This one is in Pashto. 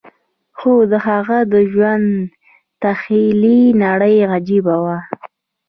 خو د هغه د ژوند تخيلي نړۍ عجيبه وه.